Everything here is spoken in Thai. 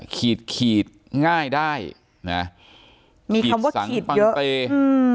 ขีดขีดง่ายได้นะมีคำว่าขีดเยอะขีดสังปังเตอืม